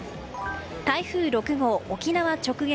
台風６号、沖縄直撃。